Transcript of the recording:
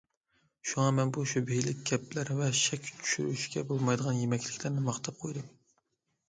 شۇڭا مەن بۇ شۈبھىلىك كەپىلەر ۋە شەك چۈشۈرۈشكە بولمايدىغان يېمەكلىكلەرنى ماختاپ قويدۇم.